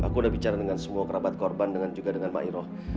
aku udah bicara dengan semua kerabat korban dengan juga dengan mbak iroh